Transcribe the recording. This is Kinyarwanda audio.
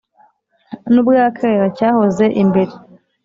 n'ubwa kera cyahoze imbere